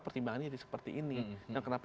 pertimbangan ini seperti ini dan kenapa